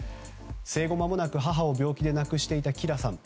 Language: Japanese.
生後まもなく、母を病気で亡くしていたキラさん。